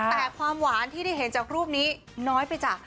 แต่ความหวานที่ได้เห็นจากรูปนี้น้อยไปจ้ะ